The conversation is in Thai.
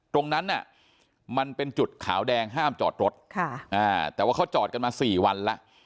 ตรงนั้นมันเป็นจุดขาวแดงห้ามจอดรถแต่ว่าเขาจอดกันมา๔วันแล้ว